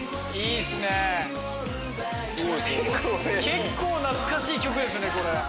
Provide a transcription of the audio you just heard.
結構懐かしい曲ですね。